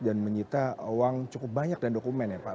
dan menyita uang cukup banyak dan dokumen ya pak